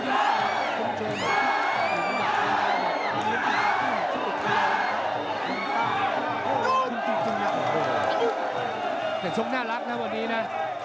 แต่ชกน่ารักนะวันนี้นะ